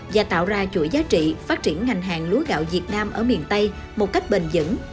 và tạo ra chuỗi giá trị phát triển ngành hàng lúa gạo việt nam ở miền tây một cách bền dững